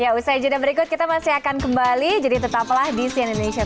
ya usai jeda berikut kita masih akan kembali jadi tetaplah di sian indonesia